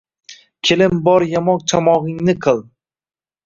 Kelin bor yamoq-chamog‘ingni qil